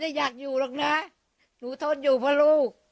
ใช่ใครจะอยากอยู่หรอกนะหนูทนอยู่เพราะลูก